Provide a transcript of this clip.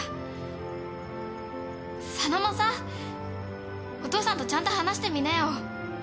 佐野もさお父さんとちゃんと話してみなよ。